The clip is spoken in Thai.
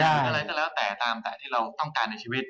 หรืออะไรก็แล้วแต่ตามแต่ที่เราต้องการในชีวิต